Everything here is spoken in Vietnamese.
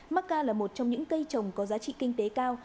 macca là một trong những cây trồng có giá trị kinh tế cao